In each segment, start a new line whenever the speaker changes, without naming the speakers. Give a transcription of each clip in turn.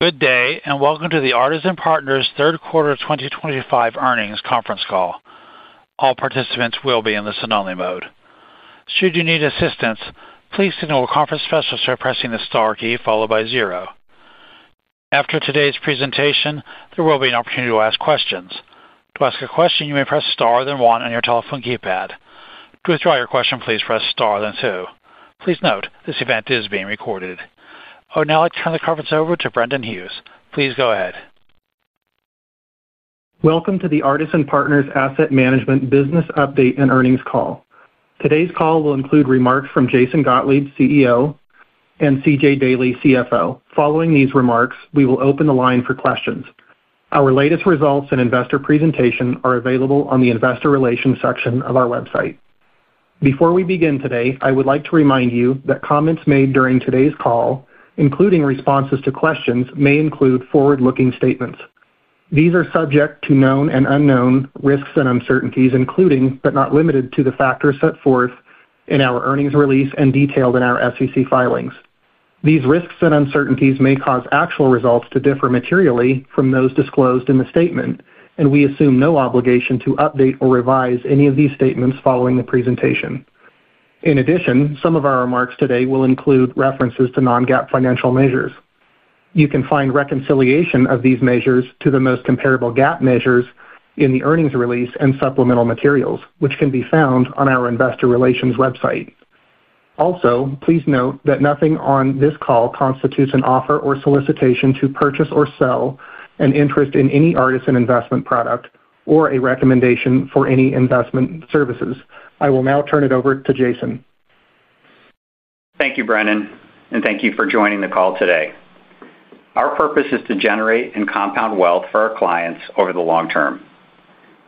Good day, and Welcome to the Artisan Partners third quarter 2025 earnings conference call. All participants will be in listen-only mode. Should you need assistance, please notify a conference specialist by pressing the star key followed by zero. After today's presentation, there will be an opportunity to ask questions. To ask a question, you may press star then one on your telephone keypad. To withdraw your question, please press star then two. Please note, this event is being recorded. Now I'll turn the conference over to Brennan Hughes. Please go ahead.
Welcome to the Artisan Partners Asset Management business update and earnings call. Today's call will include remarks from Jason Gottlieb, CEO, and C.J. Daley, CFO. Following these remarks, we will open the line for questions. Our latest results and investor presentation are available on the Investor Relations section of our website. Before we begin today, I would like to remind you that comments made during today's call, including responses to questions, may include forward-looking statements. These are subject to known and unknown risks and uncertainties, including but not limited to the factors set forth in our earnings release and detailed in our SEC filings. These risks and uncertainties may cause actual results to differ materially from those disclosed in the statement, and we assume no obligation to update or revise any of these statements following the presentation. In addition, some of our remarks today will include references to non-GAAP financial measures. You can find reconciliation of these measures to the most comparable GAAP measures in the earnings release and supplemental materials, which can be found on our Investor Relations website. Also, please note that nothing on this call constitutes an offer or solicitation to purchase or sell an interest in any Artisan investment product or a recommendation for any investment services. I will now turn it over to Jason.
Thank you, Brennan, and thank you for joining the call today. Our purpose is to generate and compound wealth for our clients over the long term.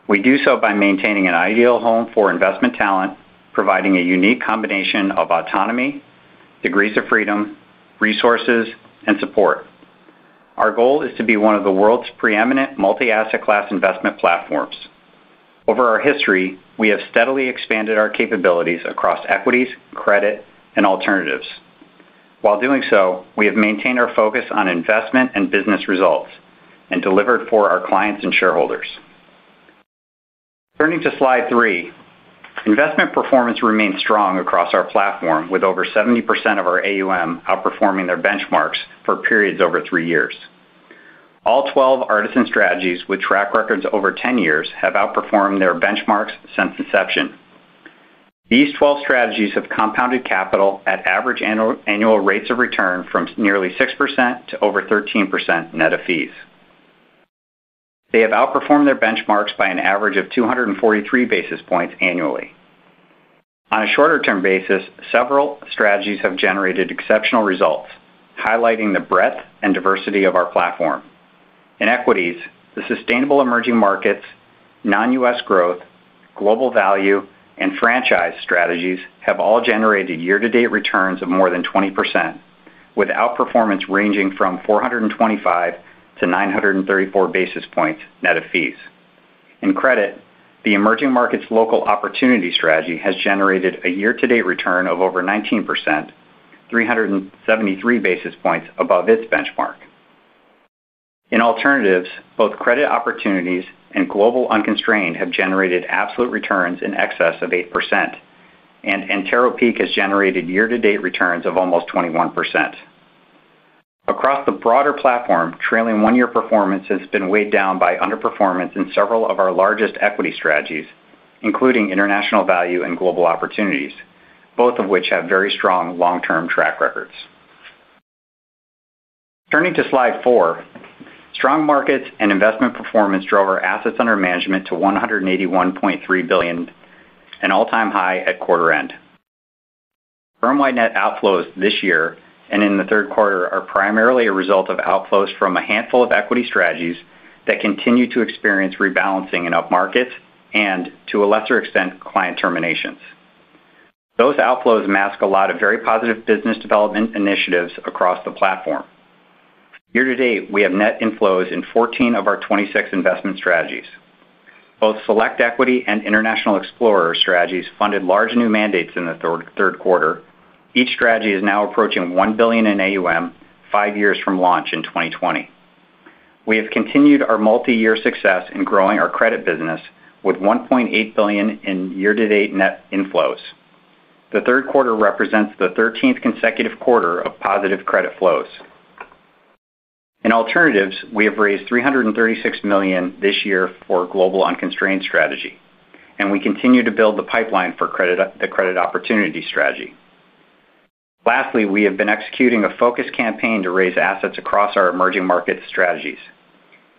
We do so by maintaining an ideal home for investment talent, providing a unique combination of autonomy, degrees of freedom, resources, and support. Our goal is to be one of the world's preeminent multi-asset class investment platforms. Over our history, we have steadily expanded our capabilities across equities, credit, and alternatives. While doing so, we have maintained our focus on investment and business results and delivered for our clients and shareholders. Turning to slide three, investment performance remains strong across our platform, with over 70% of our AUM outperforming their benchmarks for periods over three years. All 12 Artisan strategies with track records over 10 years have outperformed their benchmarks since inception. These 12 strategies have compounded capital at average annual rates of return from nearly 6% to over 13% net of fees. They have outperformed their benchmarks by an average of 243 basis points annually. On a shorter-term basis, several strategies have generated exceptional results, highlighting the breadth and diversity of our platform. In equities, the Sustainable Emerging Markets, Non-U.S. Growth, Global Value, and Franchise strategies have all generated year-to-date returns of more than 20%, with outperformance ranging from 425 basis points-934 basis points net of fees. In credit, the Emerging Markets Local Opportunities strategy has generated a year-to-date return of over 19%, 373 basis points above its benchmark. In alternatives, both Credit Opportunities and Global Unconstrained have generated absolute returns in excess of 8%, and Antero Peak has generated year-to-date returns of almost 21%. Across the broader platform, trailing one-year performance has been weighed down by underperformance in several of our largest equity strategies, including International value and Global Opportunities, both of which have very strong long-term track records. Turning to slide four, strong markets and investment performance drove our assets under management to $181.3 billion, an all-time high at quarter end. Firm-wide net outflows this year and in the third quarter are primarily a result of outflows from a handful of equity strategies that continue to experience rebalancing in up markets and, to a lesser extent, client terminations. Those outflows mask a lot of very positive business development initiatives across the platform. Year-to-date, we have net inflows in 14 of our 26 investment strategies. Both Select Equity and International Explorer strategies funded large new mandates in the third quarter. Each strategy is now approaching $1 billion in AUM, five years from launch in 2020. We have continued our multi-year success in growing our credit business, with $1.8 billion in year-to-date net inflows. The third quarter represents the 13th consecutive quarter of positive credit flows. In alternatives, we have raised $336 million this year for Global Unconstrained strategy, and we continue to build the pipeline for the Credit Opportunities strategy. Lastly, we have been executing a focused campaign to raise assets across our emerging markets strategies.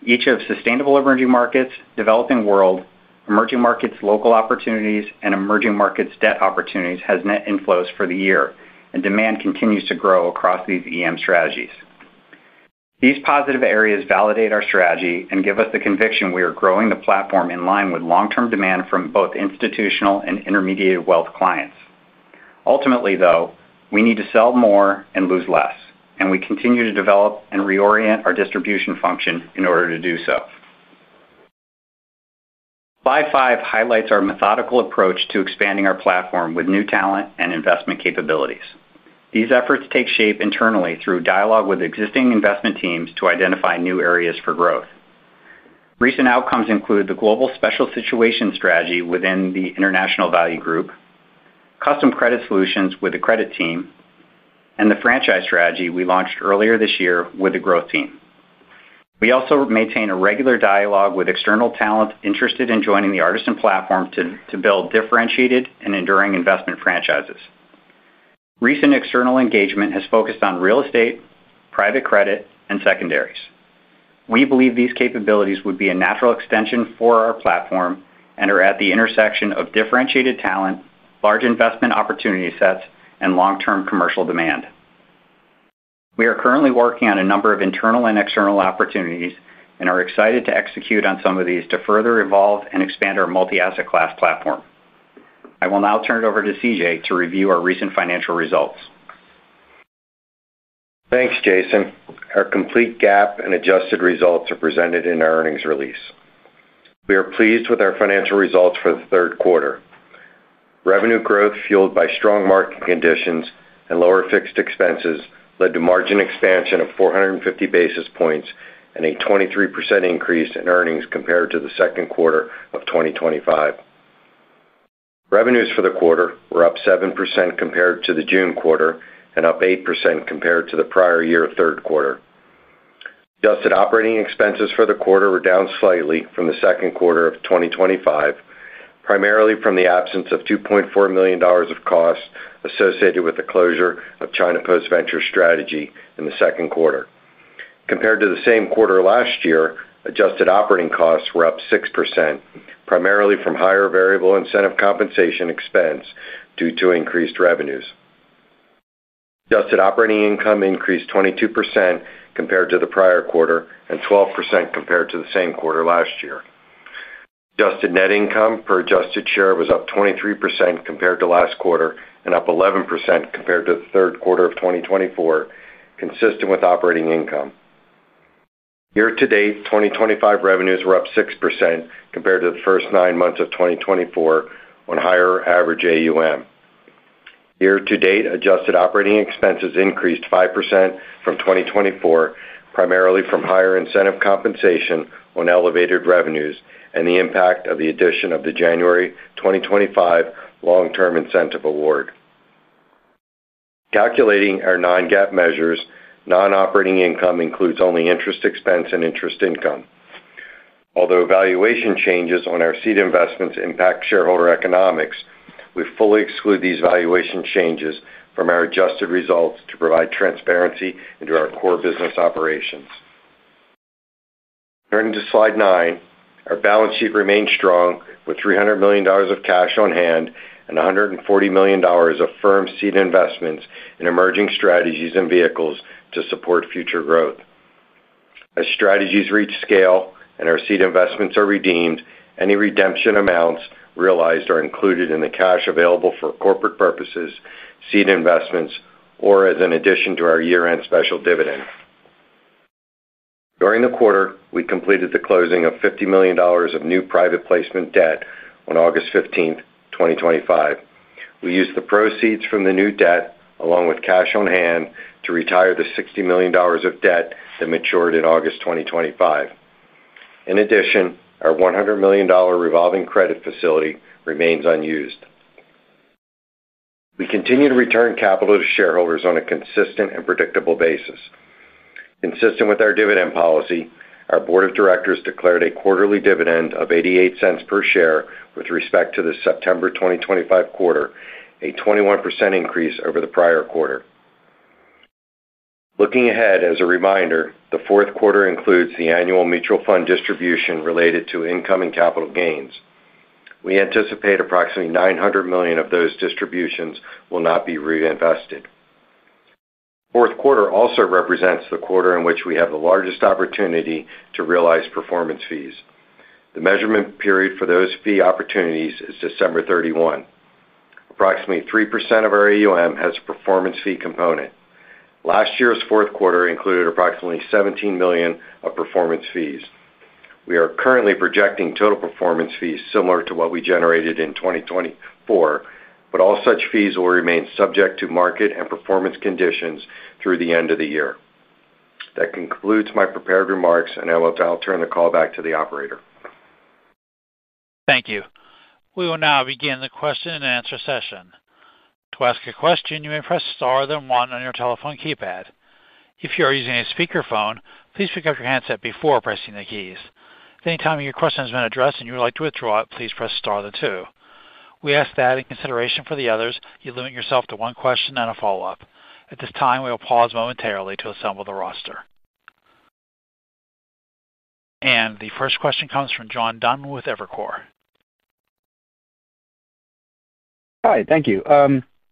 Each of Sustainable Emerging Markets, Developing World, Emerging Markets Local Opportunities, and Emerging Markets Debt Opportunities has net inflows for the year, and demand continues to grow across these EM strategies. These positive areas validate our strategy and give us the conviction we are growing the platform in line with long-term demand from both institutional and intermediate wealth clients. Ultimately, though, we need to sell more and lose less, and we continue to develop and reorient our distribution function in order to do so. Slide five highlights our methodical approach to expanding our platform with new talent and investment capabilities. These efforts take shape internally through dialogue with existing investment teams to identify new areas for growth. Recent outcomes include the Global Special Situation strategy within the International Value Group, custom credit solutions with the credit team, and the Franchise strategy we launched earlier this year with the growth team. We also maintain a regular dialogue with external talent interested in joining the Artisan platform to build differentiated and enduring investment franchises. Recent external engagement has focused on real estate, private credit, and secondaries. We believe these capabilities would be a natural extension for our platform and are at the intersection of differentiated talent, large investment opportunity sets, and long-term commercial demand. We are currently working on a number of internal and external opportunities and are excited to execute on some of these to further evolve and expand our multi-asset class platform. I will now turn it over to C.J. to review our recent financial results.
Thanks, Jason. Our complete GAAP and adjusted results are presented in our earnings release. We are pleased with our financial results for the third quarter. Revenue growth fueled by strong market conditions and lower fixed expenses led to margin expansion of 450 basis points and a 23% increase in earnings compared to the second quarter of 2025. Revenues for the quarter were up 7% compared to the June quarter and up 8% compared to the prior year third quarter. Adjusted operating expenses for the quarter were down slightly from the second quarter of 2025, primarily from the absence of $2.4 million of costs associated with the closure of China Post-Ventures strategy in the second quarter. Compared to the same quarter last year, adjusted operating costs were up 6%, primarily from higher variable incentive compensation expense due to increased revenues. Adjusted operating income increased 22% compared to the prior quarter and 12% compared to the same quarter last year. Adjusted net income per adjusted share was up 23% compared to last quarter and up 11% compared to the third quarter of 2024, consistent with operating income. Year to date, 2025 revenues were up 6% compared to the first nine months of 2024 on higher average AUM. Year to date, adjusted operating expenses increased 5% from 2024, primarily from higher incentive compensation on elevated revenues and the impact of the addition of the January 2025 long-term incentive award. Calculating our non-GAAP measures, non-operating income includes only interest expense and interest income. Although valuation changes on our seed investments impact shareholder economics, we fully exclude these valuation changes from our adjusted results to provide transparency into our core business operations. Turning to slide nine, our balance sheet remains strong with $300 million of cash on hand and $140 million of firm seed investments in emerging strategies and vehicles to support future growth. As strategies reach scale and our seed investments are redeemed, any redemption amounts realized are included in the cash available for corporate purposes, seed investments, or as an addition to our year-end special dividend. During the quarter, we completed the closing of $50 million of new private placement debt on August 15, 2025. We used the proceeds from the new debt, along with cash on hand, to retire the $60 million of debt that matured in August 2025. In addition, our $100 million revolving credit facility remains unused. We continue to return capital to shareholders on a consistent and predictable basis. Consistent with our dividend policy, our Board of Directors declared a quarterly dividend of $0.88 per share with respect to the September 2025 quarter, a 21% increase over the prior quarter. Looking ahead, as a reminder, the fourth quarter includes the annual mutual fund distribution related to incoming capital gains. We anticipate approximately $900 million of those distributions will not be reinvested. The fourth quarter also represents the quarter in which we have the largest opportunity to realize performance fees. The measurement period for those fee opportunities is December 31. Approximately 3% of our AUM has a performance fee component. Last year's fourth quarter included approximately $17 million of performance fees. We are currently projecting total performance fees similar to what we generated in 2024, but all such fees will remain subject to market and performance conditions through the end of the year. That concludes my prepared remarks, and I will now turn the call back to the operator.
Thank you. We will now begin the question and answer session. To ask a question, you may press star then one on your telephone keypad. If you are using a speakerphone, please pick up your headset before pressing the keys. If at any time your question has been addressed and you would like to withdraw it, please press star then two. We ask that in consideration for the others, you limit yourself to one question and a follow-up. At this time, we will pause momentarily to assemble the roster. The first question comes from John Dunn with Evercore
Hi, thank you.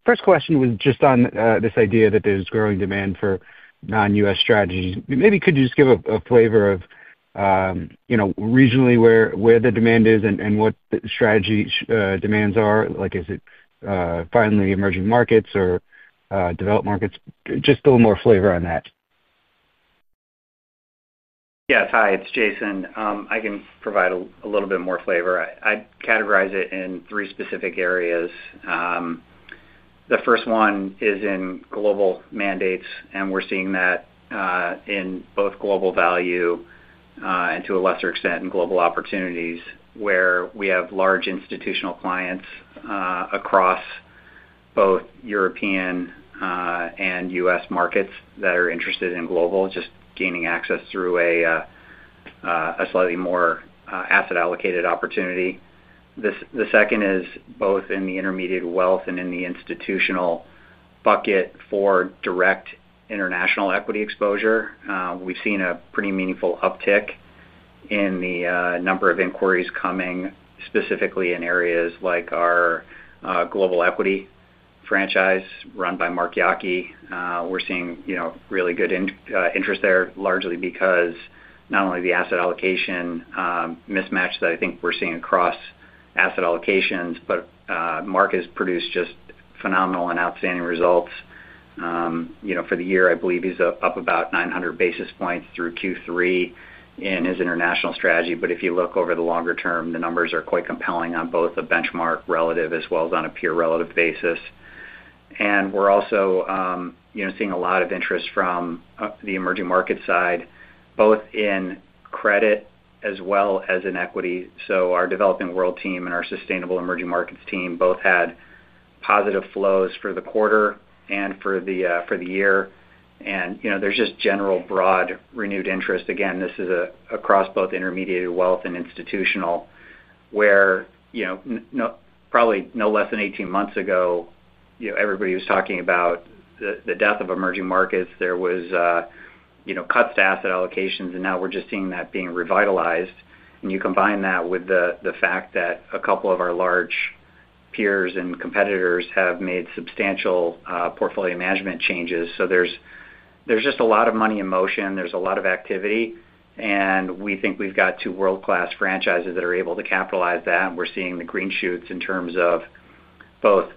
First question was just on this idea that there's growing demand for Non-U.S. strategies. Maybe could you just give a flavor of, you know, regionally where the demand is and what the strategy demands are? Like, is it finally emerging markets or developed markets? Just a little more flavor on that.
Yes, hi, it's Jason. I can provide a little bit more flavor. I'd categorize it in three specific areas. The first one is in global mandates, and we're seeing that in both Global Value, and to a lesser extent in Global Opportunities, where we have large institutional clients across both European and U.S. markets that are interested in global, just gaining access through a slightly more asset-allocated opportunity. The second is both in the intermediate wealth and in the institutional bucket for direct international equity exposure. We've seen a pretty meaningful uptick in the number of inquiries coming specifically in areas like our Global Equity Franchise run by Mark Yockey. We're seeing really good interest there largely because not only the asset allocation mismatch that I think we're seeing across asset allocations, but Mark has produced just phenomenal and outstanding results. For the year, I believe he's up about 900 basis points through Q3 in his international strategy. If you look over the longer term, the numbers are quite compelling on both a benchmark relative as well as on a peer relative basis. We're also seeing a lot of interest from the emerging market side, both in credit as well as in equity. Our Developing World team and our Sustainable Emerging Markets team both had positive flows for the quarter and for the year. There's just general broad renewed interest. This is across both intermediate wealth and institutional where probably no less than 18 months ago, everybody was talking about the death of emerging markets. There were cuts to asset allocations, and now we're just seeing that being revitalized. You combine that with the fact that a couple of our large peers and competitors have made substantial portfolio management changes. There's just a lot of money in motion. There's a lot of activity. We think we've got two world-class franchises that are able to capitalize on that. We're seeing the green shoots in terms of both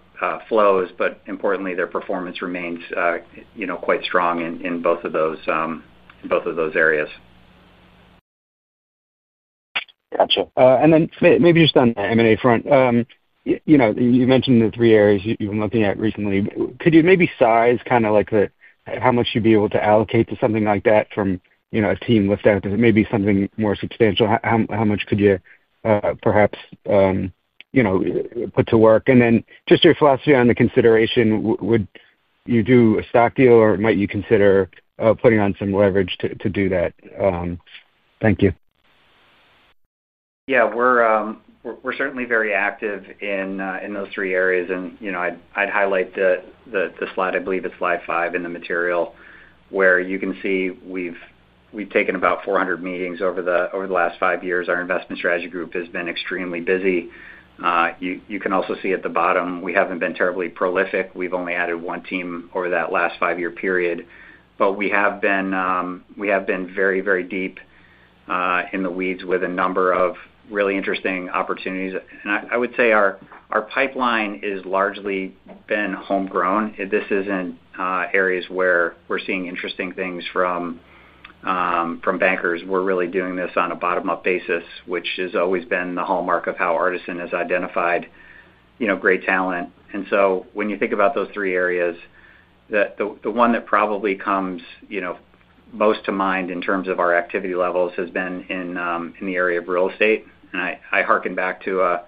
flows, but importantly, their performance remains quite strong in both of those areas.
Gotcha. And then maybe just on the M&A front, you mentioned the three areas you've been looking at recently. Could you maybe size kind of like how much you'd be able to allocate to something like that from, you know, a team lift out? Does it maybe something more substantial? How much could you, perhaps, you know, put to work? And then just your philosophy on the consideration, would you do a stock deal or might you consider putting on some leverage to do that? Thank you. Yeah, we're certainly very active in those three areas. I'd highlight the slide, I believe it's slide five in the material, where you can see we've taken about 400 meetings over the last five years. Our investment strategy group has been extremely busy. You can also see at the bottom, we haven't been terribly prolific. We've only added one team over that last five-year period. We have been very, very deep in the weeds with a number of really interesting opportunities. I would say our pipeline has largely been homegrown. This isn't areas where we're seeing interesting things from bankers. We're really doing this on a bottom-up basis, which has always been the hallmark of how Artisan has identified great talent. When you think about those three areas, the one that probably comes most to mind in terms of our activity levels has been in the area of real estate. I hearken back to a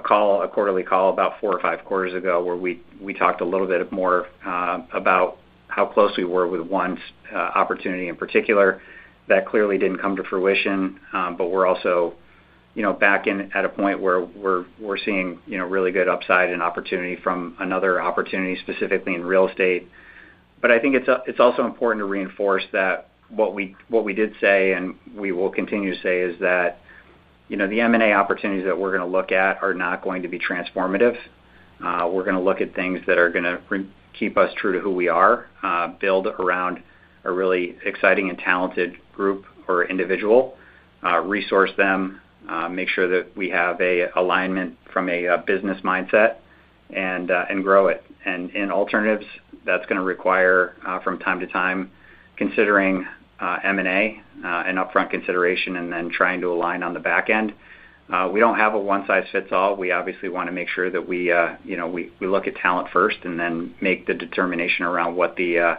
quarterly call about four or five quarters ago where we talked a little bit more about how close we were with one opportunity in particular. That clearly didn't come to fruition. We're also back in at a point where we're seeing really good upside and opportunity from another opportunity, specifically in real estate. I think it's also important to reinforce that what we did say and we will continue to say is that the M&A opportunities that we're going to look at are not going to be transformative. We're going to look at things that are going to keep us true to who we are, build around a really exciting and talented group or individual, resource them, make sure that we have an alignment from a business mindset, and grow it. In alternatives, that's going to require, from time to time, considering M&A, an upfront consideration and then trying to align on the back end. We don't have a one-size-fits-all. We obviously want to make sure that we look at talent first and then make the determination around what the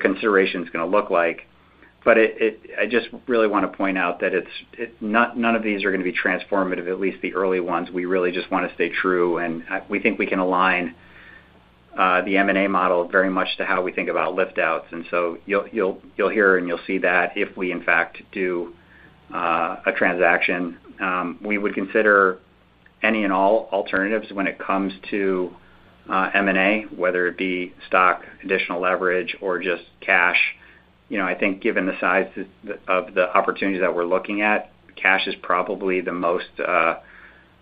consideration is going to look like. I just really want to point out that none of these are going to be transformative, at least the early ones. We really just want to stay true, and we think we can align the M&A model very much to how we think about liftouts. You'll hear and you'll see that if we, in fact, do a transaction, we would consider any and all alternatives when it comes to M&A, whether it be stock, additional leverage, or just cash. I think given the size of the opportunities that we're looking at, cash is probably the most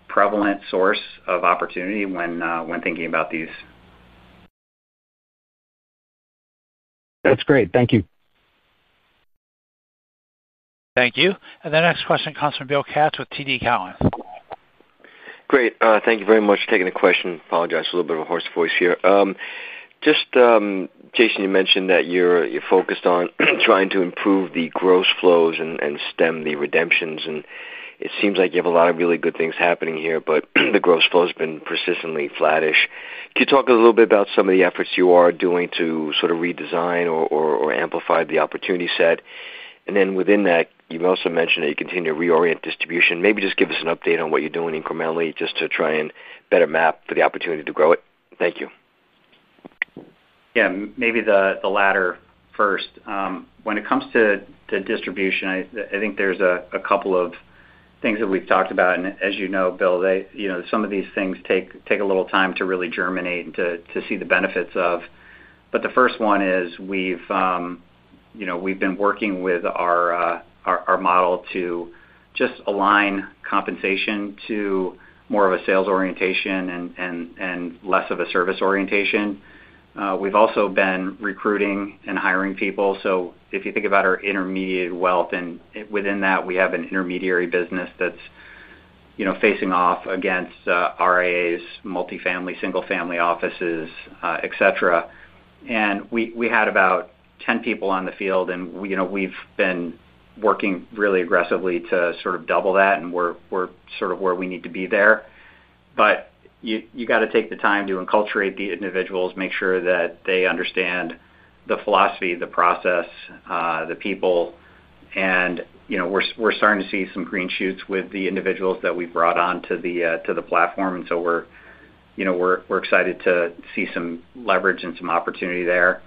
prevalent source of opportunity when thinking about these. That's great. Thank you.
Thank you. The next question comes from Bill Katz with TD Cowen.
Great. Thank you very much for taking the question. Apologize, a little bit of a hoarse voice here. Jason, you mentioned that you're focused on trying to improve the gross flows and stem the redemptions. It seems like you have a lot of really good things happening here, but the gross flow has been persistently flattish. Could you talk a little bit about some of the efforts you are doing to sort of redesign or amplify the opportunity set? Within that, you also mentioned that you continue to reorient distribution. Maybe just give us an update on what you're doing incrementally to try and better map for the opportunity to grow it. Thank you.
Yeah, maybe the latter first. When it comes to distribution, I think there's a couple of things that we've talked about. As you know, Bill, some of these things take a little time to really germinate and to see the benefits of. The first one is we've been working with our model to just align compensation to more of a sales orientation and less of a service orientation. We've also been recruiting and hiring people. If you think about our intermediate wealth, within that, we have an intermediary business that's facing off against RIAs, multifamily, single-family offices, etc. We had about 10 people in the field, and we've been working really aggressively to sort of double that, and we're sort of where we need to be there. You've got to take the time to enculturate the individuals, make sure that they understand the philosophy, the process, the people. We're starting to see some green shoots with the individuals that we've brought on to the platform, and we're excited to see some leverage and some opportunity there.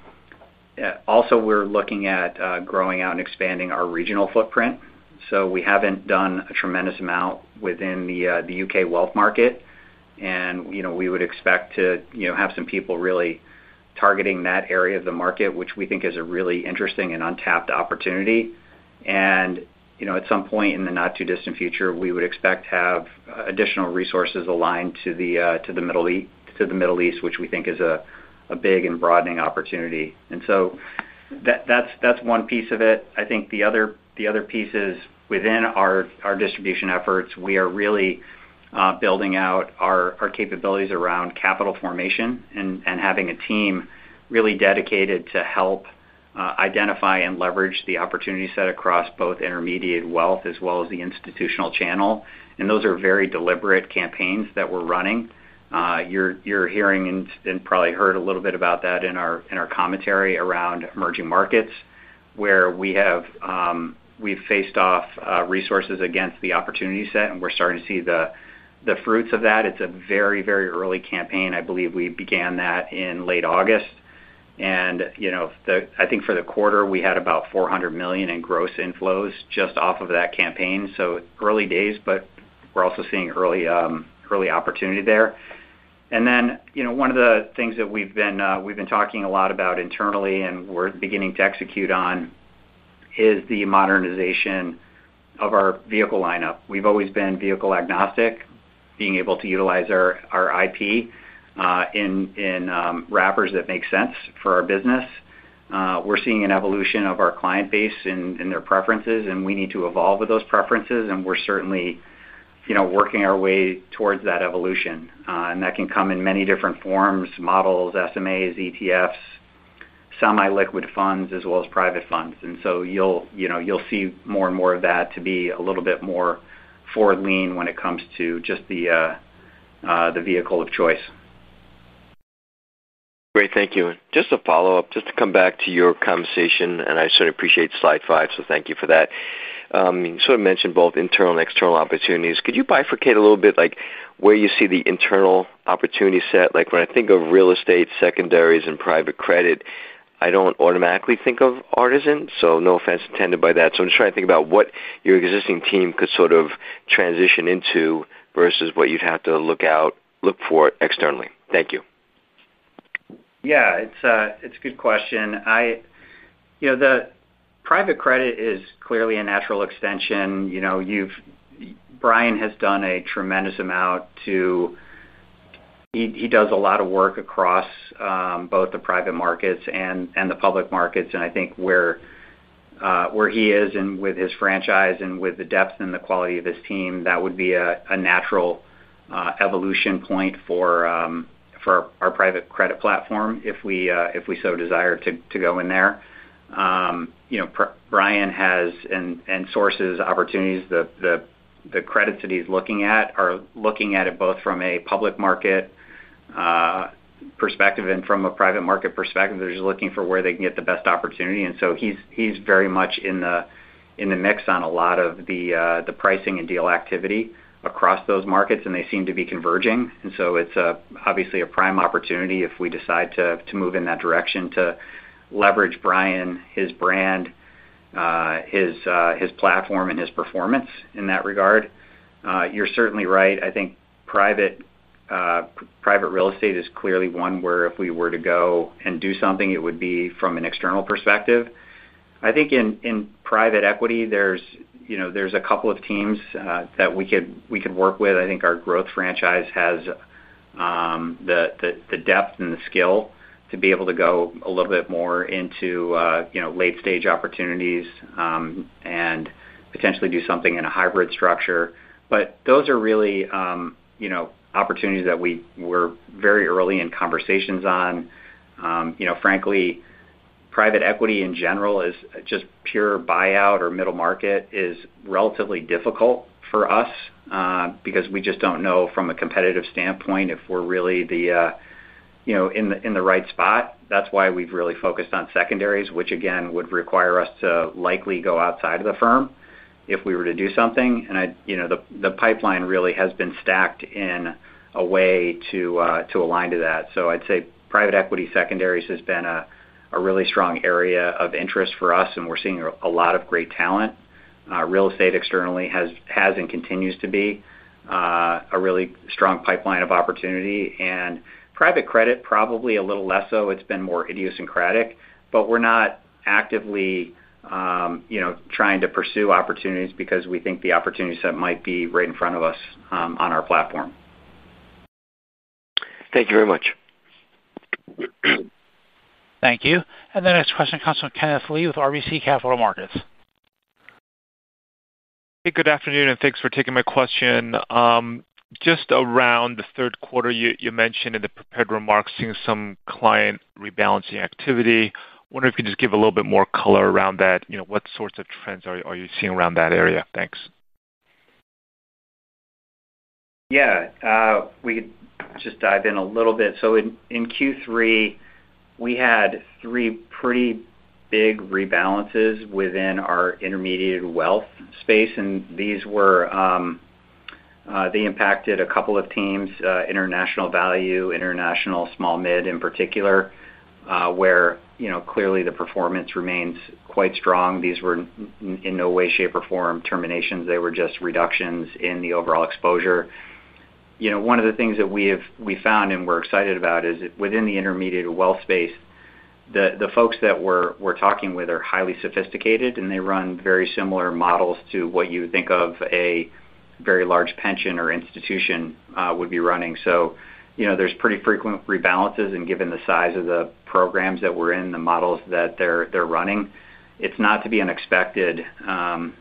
Also, we're looking at growing out and expanding our regional footprint. We haven't done a tremendous amount within the U.K. wealth market, and we would expect to have some people really targeting that area of the market, which we think is a really interesting and untapped opportunity. At some point in the not-too-distant future, we would expect to have additional resources aligned to the Middle East, which we think is a big and broadening opportunity. That's one piece of it. I think the other piece is within our distribution efforts, we are really building out our capabilities around capital formation and having a team really dedicated to help identify and leverage the opportunity set across both intermediate wealth as well as the institutional channel. Those are very deliberate campaigns that we're running. You're hearing and probably heard a little bit about that in our commentary around emerging markets, where we've faced off resources against the opportunity set, and we're starting to see the fruits of that. It's a very, very early campaign. I believe we began that in late August. I think for the quarter, we had about $400 million in gross inflows just off of that campaign. Early days, but we're also seeing early opportunity there. One of the things that we've been talking a lot about internally and we're beginning to execute on is the modernization of our vehicle lineup. We've always been vehicle agnostic, being able to utilize our IP in wrappers that make sense for our business. We're seeing an evolution of our client base and their preferences, and we need to evolve with those preferences. We're certainly working our way towards that evolution, and that can come in many different forms: models, SMAs, ETFs, semi-liquid funds, as well as private funds. You'll see more and more of that to be a little bit more forward-lean when it comes to just the vehicle of choice.
Great. Thank you. Just a follow-up, just to come back to your conversation, I certainly appreciate slide five, so thank you for that. You sort of mentioned both internal and external opportunities. Could you bifurcate a little bit, like where you see the internal opportunity set? When I think of real estate, secondaries, and private credit, I don't automatically think of Artisan, so no offense intended by that. I'm just trying to think about what your existing team could sort of transition into versus what you'd have to look for externally. Thank you.
Yeah, it's a good question. The private credit is clearly a natural extension. Brian has done a tremendous amount; he does a lot of work across both the private markets and the public markets. I think where he is, and with his franchise and with the depth and the quality of his team, that would be a natural evolution point for our private credit platform if we so desire to go in there. Brian has and sources opportunities. The credits that he's looking at are looking at it both from a public market perspective and from a private market perspective. They're just looking for where they can get the best opportunity. He's very much in the mix on a lot of the pricing and deal activity across those markets, and they seem to be converging. It's obviously a prime opportunity if we decide to move in that direction to leverage Brian, his brand, his platform, and his performance in that regard. You're certainly right. I think private real estate is clearly one where if we were to go and do something, it would be from an external perspective. I think in private equity, there's a couple of teams that we could work with. I think our growth franchise has the depth and the skill to be able to go a little bit more into late-stage opportunities and potentially do something in a hybrid structure. Those are really opportunities that we're very early in conversations on. Frankly, private equity in general, just pure buyout or middle market, is relatively difficult for us because we just don't know from a competitive standpoint if we're really in the right spot. That's why we've really focused on secondaries, which again would require us to likely go outside of the firm if we were to do something. The pipeline really has been stacked in a way to align to that. I'd say private equity secondaries has been a really strong area of interest for us, and we're seeing a lot of great talent. Real estate externally has and continues to be a really strong pipeline of opportunity. Private credit, probably a little less so. It's been more idiosyncratic, but we're not actively trying to pursue opportunities because we think the opportunity set might be right in front of us on our platform.
Thank you very much.
Thank you. The next question comes from Kenneth Lee with RBC Capital Markets.
Hey, good afternoon, and thanks for taking my question. Just around the third quarter, you mentioned in the prepared remarks seeing some client rebalancing activity. I wonder if you could just give a little bit more color around that. You know, what sorts of trends are you seeing around that area? Thanks.
Yeah. We could just dive in a little bit. In Q3, we had three pretty big rebalances within our intermediate wealth space, and these were, they impacted a couple of teams, International Value, international small-mid in particular, where, you know, clearly the performance remains quite strong. These were in no way, shape, or form terminations. They were just reductions in the overall exposure. One of the things that we've found and we're excited about is that within the intermediate wealth space, the folks that we're talking with are highly sophisticated, and they run very similar models to what you would think of a very large pension or institution would be running. There's pretty frequent rebalances, and given the size of the programs that we're in, the models that they're running, it's not to be unexpected. We're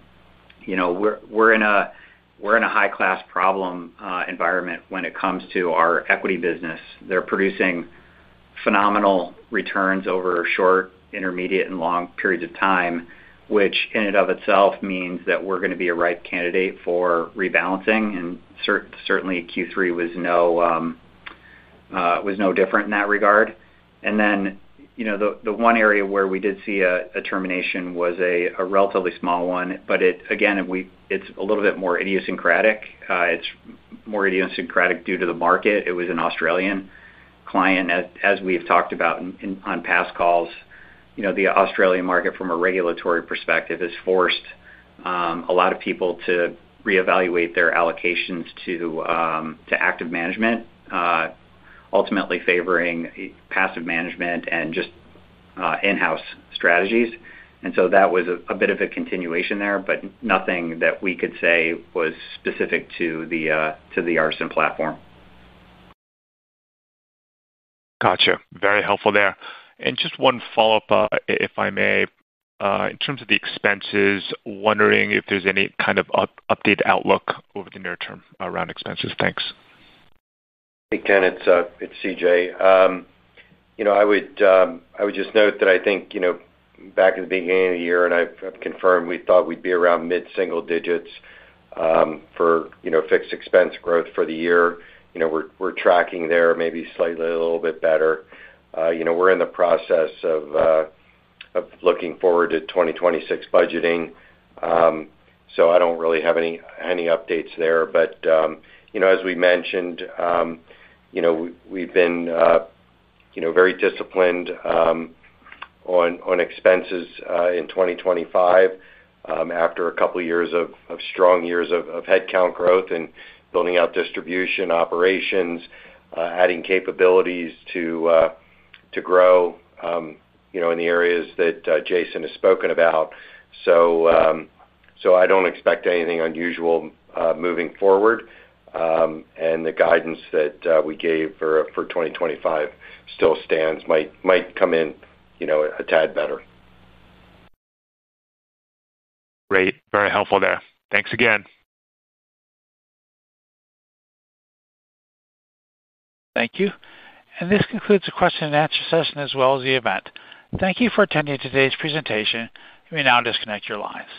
in a high-class problem environment when it comes to our equity business. They're producing phenomenal returns over short, intermediate, and long periods of time, which in and of itself means that we're going to be a ripe candidate for rebalancing. Certainly, Q3 was no different in that regard. The one area where we did see a termination was a relatively small one, but it again, it's a little bit more idiosyncratic. It's more idiosyncratic due to the market. It was an Australian client. As we've talked about on past calls, the Australian market from a regulatory perspective has forced a lot of people to reevaluate their allocations to active management, ultimately favoring passive management and just in-house strategies. That was a bit of a continuation there, but nothing that we could say was specific to the Artisan platform.
Gotcha. Very helpful there. Just one follow-up, if I may, in terms of the expenses, wondering if there's any kind of updated outlook over the near term around expenses. Thanks.
Hey, Ken, it's C.J. I would just note that I think, you know, back in the beginning of the year, and I've confirmed we thought we'd be around mid-single digits for, you know, fixed expense growth for the year. You know, we're tracking there, maybe slightly a little bit better. We're in the process of looking forward to 2026 budgeting, so I don't really have any updates there. As we mentioned, we've been very disciplined on expenses in 2025 after a couple of years of strong years of headcount growth and building out distribution operations, adding capabilities to grow in the areas that Jason has spoken about. I don't expect anything unusual moving forward, and the guidance that we gave for 2025 still stands, might come in, you know, a tad better.
Great, very helpful there. Thanks again.
Thank you. This concludes the question and answer session as well as the event. Thank you for attending today's presentation. You may now disconnect your lines.